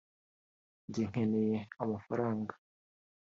njye nkeneye amafaranga